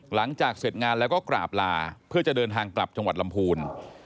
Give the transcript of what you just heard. หลังจากเสร็จงานแล้วก็กราบลาเพื่อจะเดินทางกลับจังหวัดลำพูน